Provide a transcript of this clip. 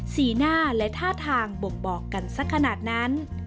สีหน้าและท่าทางบ่งบอกกันสักขนาดนั้น